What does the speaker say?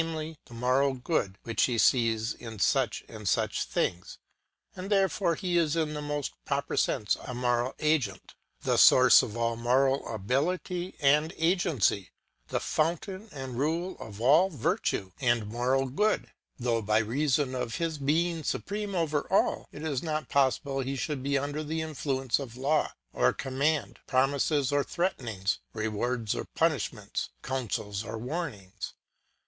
the moral good which He sees in such and such things ; and therefore He is in the most proper sense, a moral agent, the source of all moral ability and ' agency, the fountain and rule of all virtue and moral 5* 54 THE NOTION OF LIBERTY, ETC. PART I. good ; though by reason of His being supreme over all, it is not possible He should be under the influence of law or command, promises or threatenings, rewards or pun ishments, counsels or warnings.